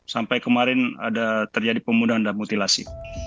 sampai kemarin ada terjadi pembunuhan dan mutilasi